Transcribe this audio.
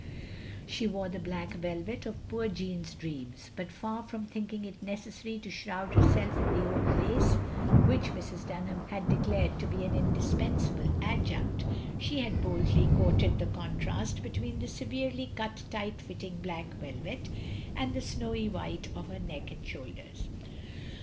She wore the black velvet of poor Jeanne's dreams; but, far from thinking it necessary to shroud herself in the old lace which Mrs. Dunham OP GROSVENOR SQUARE 215 had declared to be an indispensable adjunct, she had boldly courted the contrast between the severely cut tight fitting black velvet and the snowy white of her neck and shoulders.